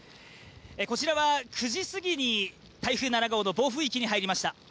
こちらは９時すぎに台風７号の暴風域に入りました。